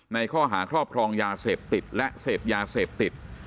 ในข้อหาครอบครองยาเสพติดและเสพยาเสพติด